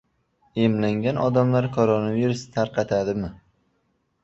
Emlangan odamlar koronavirus tarqatadimi?